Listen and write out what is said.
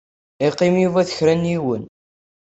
Yeqqim Yuba d kra n yiwen.